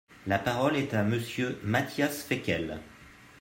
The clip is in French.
La parole est à Monsieur Matthias Fekl.